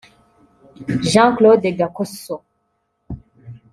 Jean- Claude Gakoso